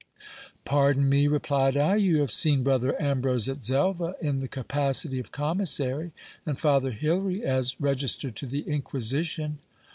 Pardon me, replied I ; you have seen brother Ambrose at Xelva in the capacity of commissary, and father Hilary as register to the Inquisition.